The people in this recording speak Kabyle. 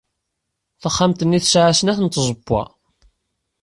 Taxxamt-nni tesɛa snat n tzewwa.